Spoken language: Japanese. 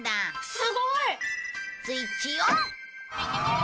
すごい！スイッチオン！